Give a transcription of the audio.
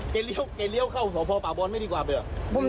เก่งเลี้ยวเข้าสอพปาบอลไม่ดีกว่าเนี่ย